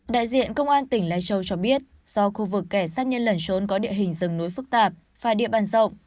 đại diện công an tỉnh lai châu cho biết do khu vực kẻ sát nhân lẩn trốn có địa hình rừng núi phức tạp và địa bàn rộng